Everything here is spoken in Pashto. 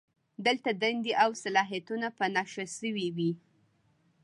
دلته دندې او صلاحیتونه په نښه شوي وي.